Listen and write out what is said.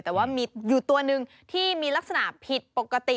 แต่ว่ามีอยู่ตัวหนึ่งที่มีลักษณะผิดปกติ